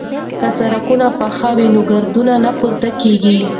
که سړکونه پاخه وي نو ګرد نه پورته کیږي.